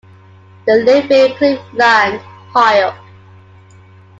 They live in Cleveland, Ohio.